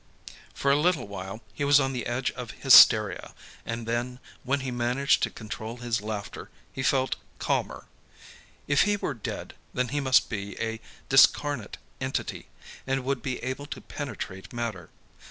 For a little while, he was on the edge of hysteria and then, when he managed to control his laughter, he felt calmer. If he were dead, then he must be a discarnate entity, and would be able to penetrate matter.